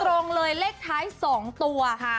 ตรงเลยเลขท้ายสองตัวค่ะ